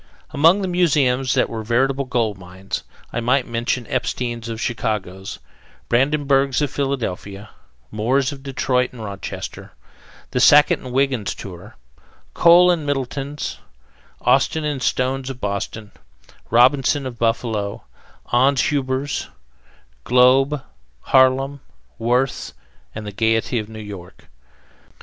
Among the museums that were veritable gold mines, I might mention Epstein's of Chicago; Brandenberg's of Philadelphia; Moore's of Detroit and Rochester; The Sackett and Wiggins Tour; Kohl and Middleton's; Austin and Stone's of Boston; Robinson of Buffalo; Ans Huber's, Globe, Harlem, Worth's, and the Gayety of New York.